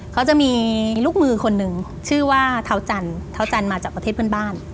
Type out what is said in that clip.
เขาจะมีลูกมือคนนึงชื่อว่าเทาจันมาจากประเทศเพื่อนบ้าน